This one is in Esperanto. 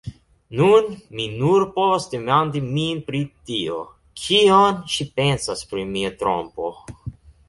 Nun, mi nur povas demandi min pri tio, kion ŝi pensas pri mia trompo.